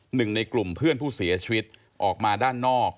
หนึ่งในกลุ่มเพื่อนผู้เสียชีวิตออกมาด้านนอก